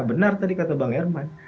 benar tadi kata bang herman